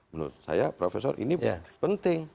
menurut saya profesor ini penting